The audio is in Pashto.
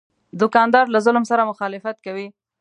دوکاندار له ظلم سره مخالفت کوي.